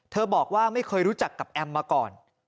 บอกว่าไม่เคยรู้จักกับแอมมาก่อน